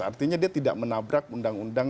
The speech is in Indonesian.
artinya dia tidak menabrak undang undang